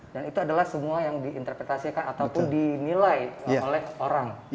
dan itu adalah semua yang diinterpretasikan ataupun dinilai oleh orang